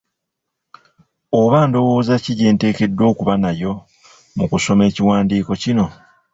Oba ndowooza ki gye nteekeddwa okuba nayo mu kusoma ekiwandiiko kino?